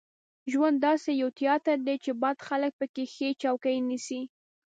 ژوند داسې یو تیاتر دی چې بد خلک په کې ښې چوکۍ نیسي.